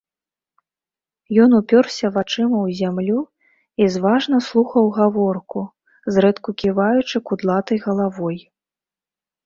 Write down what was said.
Ён упёрся вачыма ў зямлю і зважна слухаў гаворку, зрэдку ківаючы кудлатай галавой.